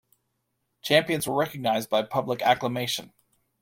Champions were recognized by public acclamation.